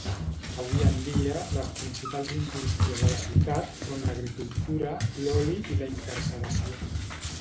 Avui en dia, les principals indústries de la ciutat són l'agricultura, l'oli i la incarceració.